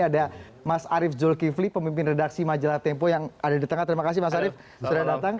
ada mas arief zulkifli pemimpin redaksi majalah tempo yang ada di tengah terima kasih mas arief sudah datang